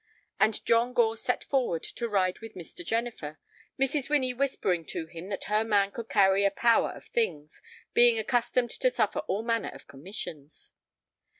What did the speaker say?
And John Gore set forward to ride with Mr. Jennifer, Mrs. Winnie whispering to him that her man could carry a power of things, being accustomed to suffer all manner of commissions.